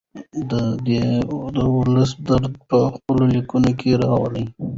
دی د ولس درد په خپلو لیکنو کې راوړي.